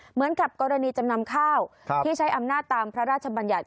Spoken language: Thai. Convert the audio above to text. เหมือนกับกรณีจำนำข้าวที่ใช้อำนาจตามพระราชบัญญัติ